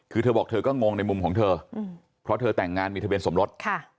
คือเธอบอกเธอก็งงในมุมของเธอเพราะเธอแต่งงานมีทะเบียนสมรส